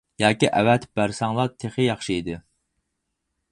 ياكى ئەۋەتىپ بەرسەڭلار تېخى ياخشى ئىدى.